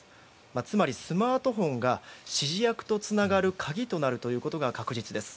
つまり、スマートフォンが指示役とつながる鍵となることが確実です。